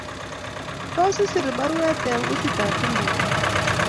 Tos, isiir baruet eng kutitab chumbek?